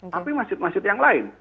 tapi masjid masjid yang lain